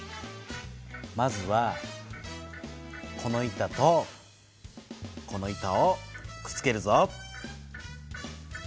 まずはこの板とこの板をくっつけるぞ。